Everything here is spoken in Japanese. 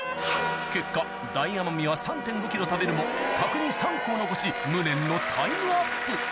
結果大奄美は３．５ｋｇ食べるも角煮３個を残し無念のタイムアップ